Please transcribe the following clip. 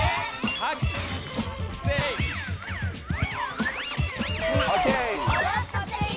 はい。